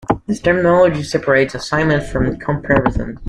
This terminology separates assignment from comparison.